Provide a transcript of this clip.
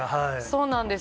そうなんです。